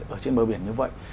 ở trên bờ biển như vậy